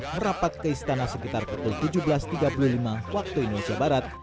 merapat ke istana sekitar pukul tujuh belas tiga puluh lima waktu indonesia barat